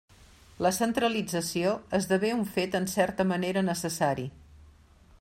La centralització esdevé un fet en certa manera necessari.